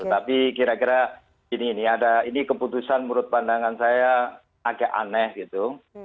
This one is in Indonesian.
tapi kira kira ini keputusan menurut pandangan saya agak aneh gitu